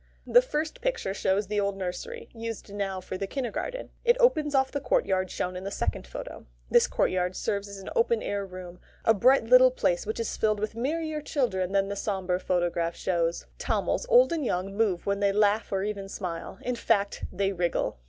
The first picture shows the old nursery, used now for the kindergarten. It opens off the courtyard shown in the second photo. This courtyard serves as an open air room, a bright little place which is filled with merrier children than the sober photograph shows. Tamils old and young move when they laugh or even smile; in fact they wriggle.